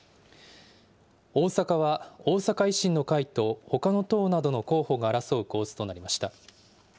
大阪は大阪維新の会とほかの党などの候補が争う構図となりました。